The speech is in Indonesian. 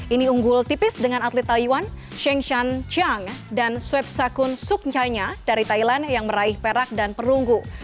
ini unggul tipis dengan atlet taiwan shengshan chang dan sweep sakun suknyanya dari thailand yang meraih perak dan perunggu